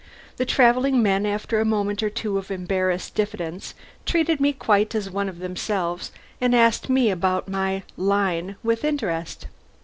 The travelling men, after a moment or two of embarrassed diffidence, treated me quite as one of themselves and asked me about my "line" with interest.